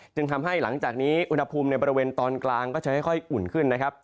จึงทำให้หลังจากนี้อุณหภูมิในบริเวณตอนกลางก็จะค่อยอุ่นขึ้นนะครับ